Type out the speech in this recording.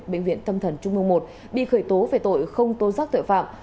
bệnh viện tâm thần trung mương i bị khởi tố về tội không tố rắc tội phạm